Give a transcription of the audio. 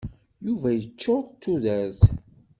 Yuba yeččuṛ d tudert.